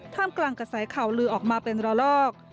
กลางกระแสข่าวลือออกมาเป็นระลอก